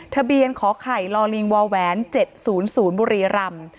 ทะเบียนขอไข่ลอลิงวแหวน๗๐๐บุรีรำ